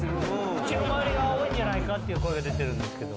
口の周りが青いんじゃないかっていう声が出てるんですけど。